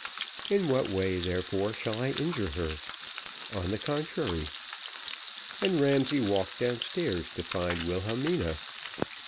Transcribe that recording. In what way, therefore, shall I injure her? On the contrary." And Ramsay walked down stairs to find Wilhelmina.